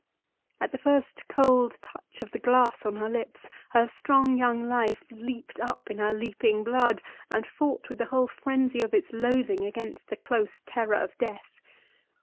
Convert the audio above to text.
At the first cold touch of the glass on her lips, her strong young life leaped up in her leaping blood, and fought with the whole frenzy of its loathing against the close terror of Death.